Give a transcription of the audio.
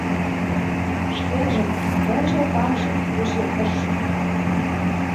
Шкенжымак, ончыл таҥжым, вучен ыш шукто.